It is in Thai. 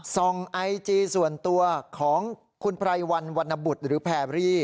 ไอจีส่วนตัวของคุณไพรวันวรรณบุตรหรือแพรรี่